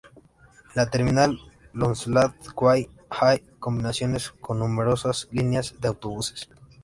En la terminal Lonsdale Quay hay combinaciones con numerosas líneas de autobuses.